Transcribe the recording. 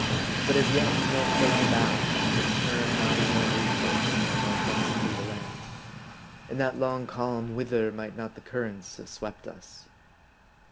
But as yet, no floating bough, no tern, noddy, nor reef bird, to denote our proximity to land. In that long calm, whither might not the cur rents have swept us